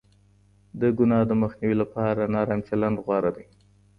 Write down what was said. د گناه د مخنيوي لپاره نرم چلند غوره دی.